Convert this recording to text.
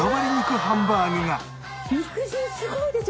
肉汁すごいですよ。